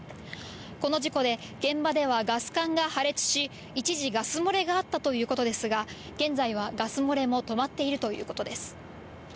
この事故で現場ではガス管が破裂し、一時、ガス漏れがあったということですが、現在はガス漏れも止まっているということです。